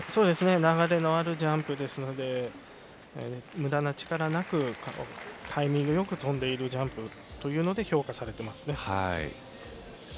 流れのあるジャンプですのでむだな力なく、タイミングよく跳んでいるジャンプというので評価されていますね。